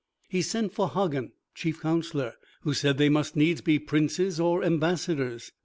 He sent for Hagen, chief counselor, who said they must needs be princes or ambassadors.